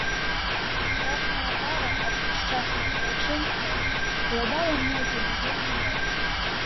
Страшная мара аб няшчаснай дзяўчынцы ўладала мной тады вельмі моцна.